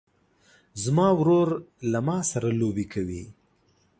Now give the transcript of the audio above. زما ورور له ما سره لوبې کوي.